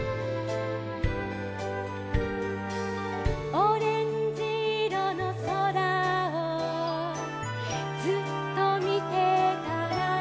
「オレンジいろのそらをずっとみてたら」